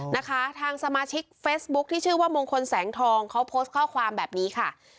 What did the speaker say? นะคะทางสมาชิกเฟซบุ๊คที่ชื่อว่ามงคลแสงทองเขาโพสต์ข้อความแบบนี้ค่ะ